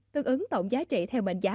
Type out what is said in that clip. tương ứng tổng giá trị theo mệnh giá